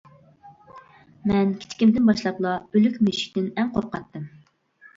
مەن كىچىكىمدىن باشلاپلا ئۆلۈك مۈشۈكتىن ئەڭ قورقاتتىم.